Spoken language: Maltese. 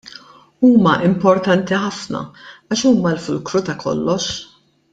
Huma importanti ħafna għax huma l-fulkru ta' kollox.